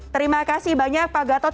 terima kasih banyak pak gatot